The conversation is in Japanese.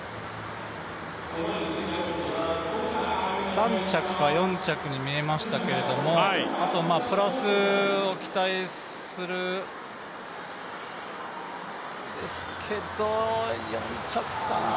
３着か４着に見えましたけれどもあとはプラスを期待するですけど４着かなあ。